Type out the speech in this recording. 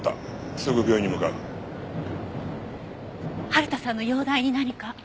春田さんの容体に何か？